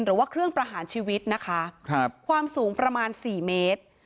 หรือว่าเครื่องประหารชีวิตนะคะความสูงประมาณ๔เมตร